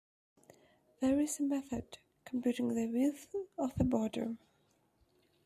There is a method computing the width of the border.